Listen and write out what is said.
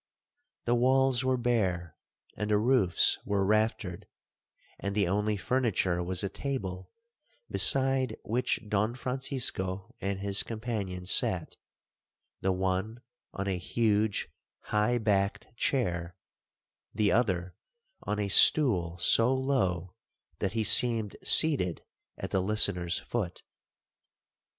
The walls were bare, and the roofs were raftered, and the only furniture was a table, beside which Don Francisco and his companion sat, the one on a huge high backed chair, the other on a stool so low, that he seemed seated at the listener's foot.